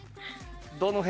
どの辺？